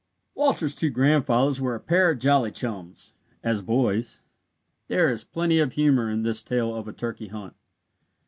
Walter's two grandfathers were a pair of jolly chums, as boys. There is plenty of humour in this tale of a turkey hunt.